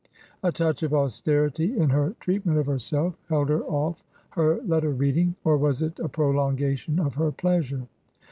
A touch of austerity in her treatment of herself held her off her letter reading — or was it a prolongation of her pleasure